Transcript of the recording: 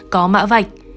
có mã vạch